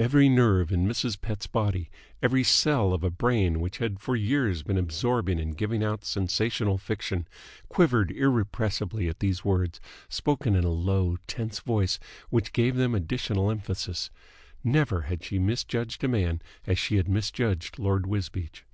Every nerve in Mrs. Pett's body, every cell of a brain which had for years been absorbing and giving out sensational fiction, quivered irrepressibly at these words, spoken in a low, tense voice which gave them additional emphasis. Never had she misjudged a man as she had misjudged Lord Wisbeach.